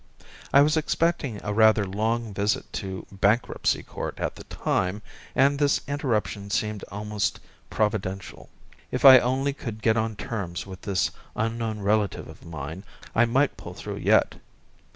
I was expecting a rather long visit to Bankruptcy Court at the time, and this interruption seemed almost providential. If I could only get on terms with this unknown relative of mine, I might pull through yet.